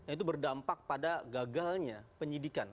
itu berdampak pada gagalnya penyidikan